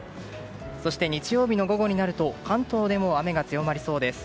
そして日曜日の午後になると関東でも雨が強まりそうです。